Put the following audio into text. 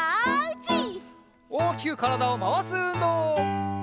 おおきくからだをまわすうんどう！